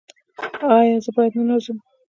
ایا زه باید ننوځم؟